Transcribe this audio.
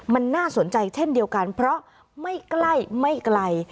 มันน่าสนใจเช่นเดียวกันเพราะไม่ใกล้ไม่ไกล